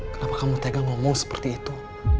kenapa kamu tega ngomong seperti itu